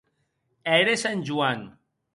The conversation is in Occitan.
Ère Sant Joan.